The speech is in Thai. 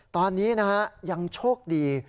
ตอนนี้นะฮะยังโชคดี